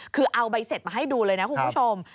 คือเอาใบเสร็จมาให้ดูเลยนะคุณผู้ชม